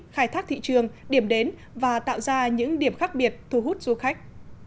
khai thác thị trường điểm đến và tạo ra những điểm khác biệt thu hút du khách